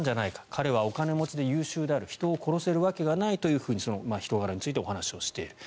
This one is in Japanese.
彼はお金持ちで優秀である人を殺せるわけがないと人柄についてお話をしている。